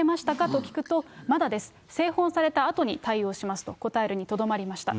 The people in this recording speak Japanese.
と聞くと、まだです、製本されたあとに対応しますと答えるにとどまりました。